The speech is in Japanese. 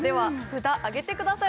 札上げてください